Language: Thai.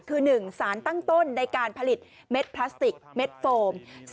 คือ๑สารตั้งต้นในการผลิตเม็ดพลาสติกเม็ดโฟม